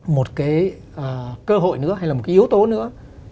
một cơ hội nữa hay là một yếu tố nữa